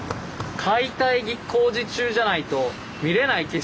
解体工事中じゃないと見れない景色ですからね。